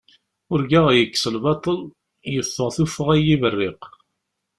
Urgaɣ yekkes lbaṭel, yeffeɣ tuffɣa n yiberriq.